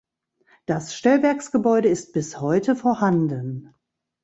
Das Stellwerksgebäude ist bis heute vorhanden.